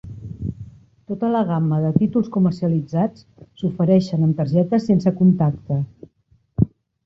Tota la gamma de títols comercialitzats s'ofereixen amb targetes sense contacte.